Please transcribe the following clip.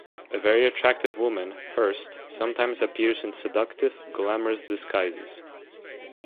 A very attractive woman, Hurst sometimes appears in seductive, glamorous disguises.